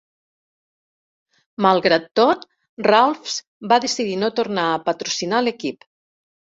Malgrat tot, Ralphs va decidir no tornar a patrocinar l'equip.